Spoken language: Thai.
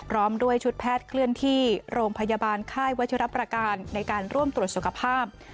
พร้อมด้วยชุดแพทย์เคลื่อนที่โรงพยาบาลค่ายวัชิรับประการในการร่วมตรวจสุขภาพ